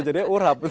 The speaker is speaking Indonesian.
jadi urap gitu ya